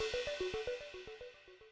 informasi selengkapnya sesaat lagi